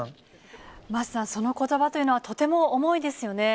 桝さん、そのことばというのはとても重いですよね。